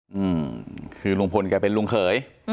หืมคือหลวงพลแกเป็นลวงเขย